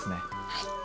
はい。